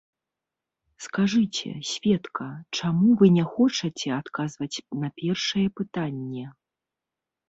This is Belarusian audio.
Скажыце, сведка, чаму вы не хочаце адказваць на першае пытанне?